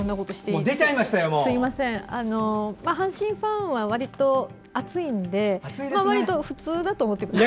阪神ファンは割と熱いのでわりと普通だと思ってます。